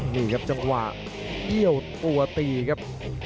นี่ครับจังหวะเอี้ยวตัวตีครับ